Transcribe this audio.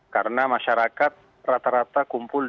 karena masyarakat rata rata kumpul di